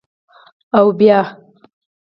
_اوبيا؟